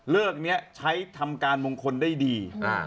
นี้ใช้ทำการมงคลได้ดี